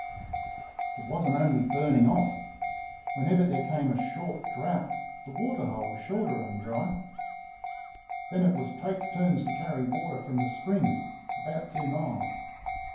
It was n't only burning off! Whenever there came a short drought the waterhole was sure to run dry; then it was take turns to carry water from the springs about two miles.